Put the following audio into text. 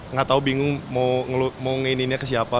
nggak tahu bingung mau nge in in nya ke siapa